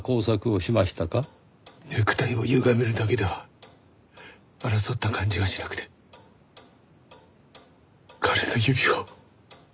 ネクタイをゆがめるだけでは争った感じがしなくて彼の指を。